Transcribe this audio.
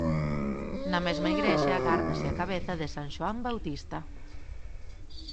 Na mesma igrexa gárdase a cabeza de San Xoan Bautista.